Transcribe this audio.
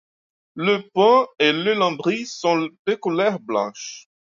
Le pont et le lambris sont de couleur blanche.